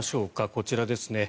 こちらですね。